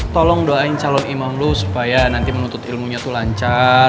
tolong doain calon imam lu supaya nanti menuntut ilmunya tuh lancar